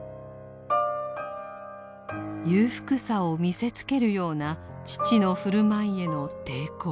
裕福さを見せつけるような父の振る舞いへの抵抗。